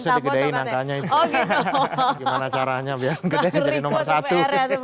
harusnya digedain angkanya itu gimana caranya biar gede jadi nomor satu